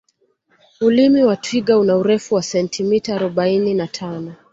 ulimi wa twiga una urefu wa sentimeta arobaini na tano